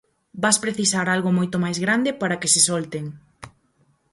vas precisar algo moito máis grande para que se solten.